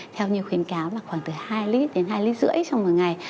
theo như khuyến cáo là khoảng từ hai lít đến hai lít rưỡi trong một ngày